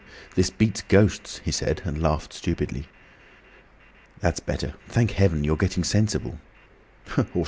"This beats ghosts," he said, and laughed stupidly. "That's better. Thank Heaven, you're getting sensible!"